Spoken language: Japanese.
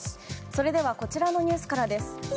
それではこちらのニュースからです。